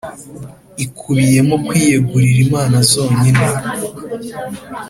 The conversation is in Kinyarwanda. ikubiyemo kwiyegurira imana zonyine.